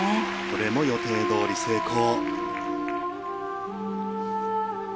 これも予定どおり成功。